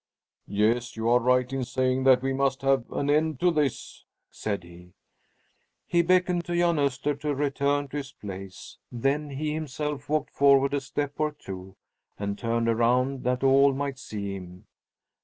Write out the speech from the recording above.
"Yes, you are right in saying that we must have an end of this," said he. He beckoned to Jan Öster to return to his place. Then he himself walked forward a step or two, and turned around that all might see him.